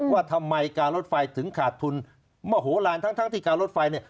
ว่าทำไมการรถไฟถึงขาดทุนมโหลานทั้งที่การรถไฟเนี่ย